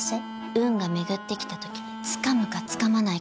運が巡ってきた時につかむかつかまないか。